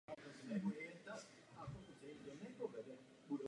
Na severu okres sousedí s Českou republikou a na východě s Rakouskem.